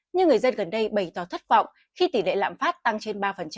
nhưng người dân gần đây bày tỏ thất vọng khi tỷ lệ lạm phát tăng trên ba